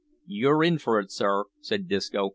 "You're in for it sir," said Disco.